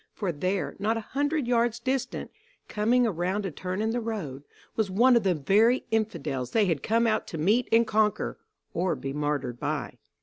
For there, not a hundred yards distant, coming around a turn in the road, was one of the very Infidels they had come out to meet and conquer, or be martyred by.